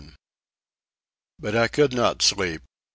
But I could not sleep.